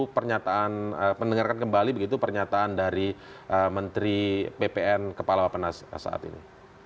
pernyataan mendengarkan kembali begitu pernyataan dari menteri ppn kepala bapak nas saat ini